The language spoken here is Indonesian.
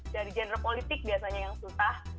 dari genre politik biasanya yang susah